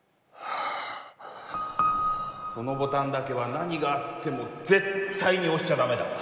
かいそうそのボタンだけはなにがあってもぜったいに押しちゃダメだ。